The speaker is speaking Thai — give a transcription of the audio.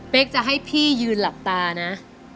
เป็นจะให้พี่ยืนหลับตานะ